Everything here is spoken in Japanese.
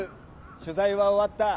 取材は終わった。